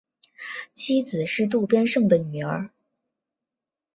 妻子是渡边胜的女儿。